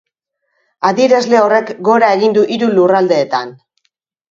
Adierazle horrek gora egin du hiru lurraldeetan.